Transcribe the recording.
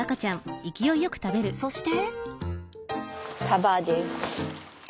そして？